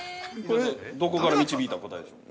◆どこから導いた答えですか。